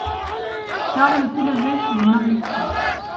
Charles est élevé chez les maristes.